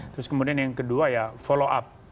terus kemudian yang kedua ya follow up